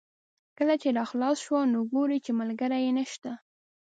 کله چې را خلاص شو نو ګوري چې ملګری یې نشته.